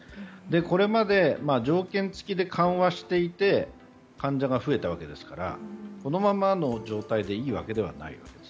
これまで条件付きで緩和していて患者が増えたわけですからこのままの状態でいいわけではないのです。